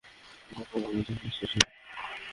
অনেক লম্বা যুদ্ধ করেছে সে।